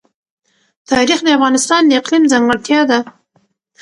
تاریخ د افغانستان د اقلیم ځانګړتیا ده.